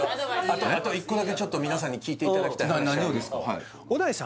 あと一個だけちょっとみなさんに聞いていただきたい何をですか？